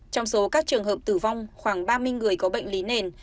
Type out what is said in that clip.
trong số các trường hợp tử vong khoảng ba mươi người có bệnh lý nền